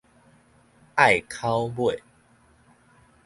隘口尾